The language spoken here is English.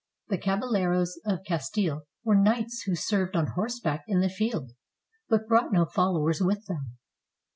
The Caballeros of Castile were knights who served on horseback in the field, but brought no followers with them.